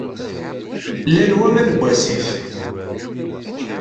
Llan waman n wasif.